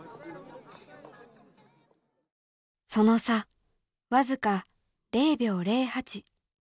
その差僅か０秒０８。